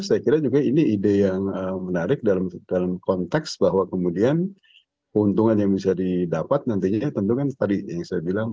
saya kira juga ini ide yang menarik dalam konteks bahwa kemudian keuntungan yang bisa didapat nantinya tentu kan tadi yang saya bilang